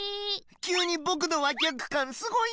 きゅうにぼくのわきやくかんすごいんだけど。